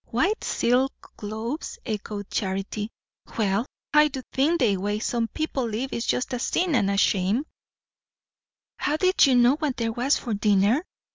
"White silk gloves!" echoed Charity. "Well, I do think the way some people live is just a sin and a shame!" "How did you know what there was for dinner?"